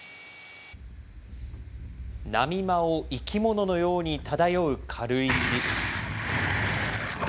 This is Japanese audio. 波間を生き物のように漂う軽石。